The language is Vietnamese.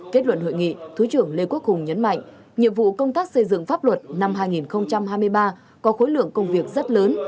kết luận hội nghị thứ trưởng lê quốc hùng nhấn mạnh nhiệm vụ công tác xây dựng pháp luật năm hai nghìn hai mươi ba có khối lượng công việc rất lớn